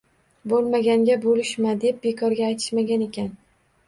Bo`lmaganga bo`lishma, deb bekorga aytishmagan ekan